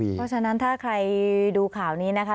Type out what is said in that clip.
เพราะฉะนั้นถ้าใครดูข่าวนี้นะคะ